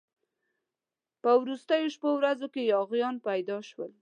په وروستو شپو ورځو کې یاغیان پیدا شول.